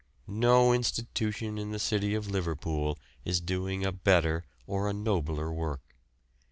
No institution in the city of Liverpool is doing a better or a nobler work.